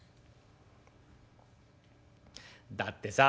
だってさ」。